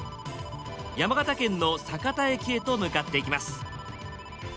山形県の酒田駅へと向かっていきます。